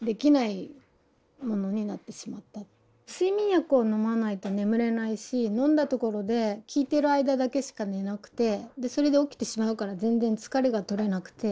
睡眠薬を飲まないと眠れないし飲んだところで効いてる間だけしか寝なくてそれで起きてしまうから全然疲れが取れなくて。